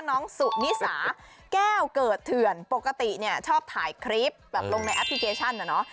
น้องสุนิสาแก้วเกิดเถื่อนปกติเนี่ยชอบถ่ายคลิปแบบลงในแอปพลิเคชันน่ะเนอะ